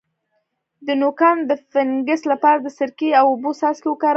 د نوکانو د فنګس لپاره د سرکې او اوبو څاڅکي وکاروئ